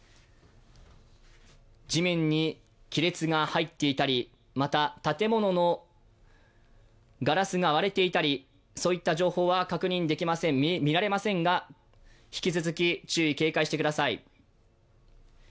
地面に亀裂が入っていたりまた建物のガラスが割れていたりそういった情報は見られませんが、引き続き注意、警戒してください。